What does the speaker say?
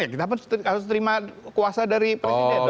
ya kita harus terima kuasa dari presiden dong